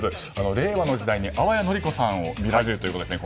令和の時代に淡谷のり子さんを見られるということですね。